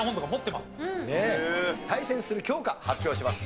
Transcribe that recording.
対戦する教科発表します。